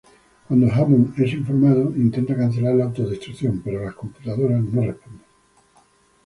Cuando Hammond es informado, intenta cancelar la Autodestrucción pero las computadoras no responden.